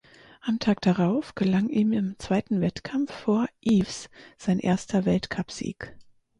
Am Tag darauf gelang ihm im zweiten Wettkampf vor Eaves sein erster Weltcupsieg.